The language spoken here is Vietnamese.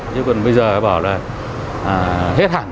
nhưng mà bây giờ bảo là hết hẳn